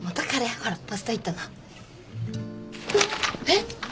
えっ！？